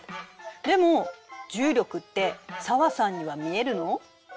でも重力って紗和さんには見えるの？